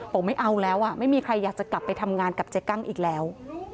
ไม่เอาแล้วไม่มีใครอยากจะกลับไปทำงานกับเจ๊กั้งอีกแล้ว